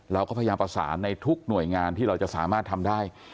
เราก็พยายามประสานในทุกหน่วยงานที่เราจะสามารถทำได้